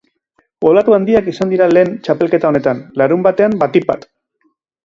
Olatu handiak izan dira lehen txapelketa honetan, larunbatean batipat.